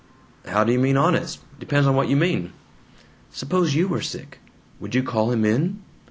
"How do you mean 'honest'? Depends on what you mean." "Suppose you were sick. Would you call him in?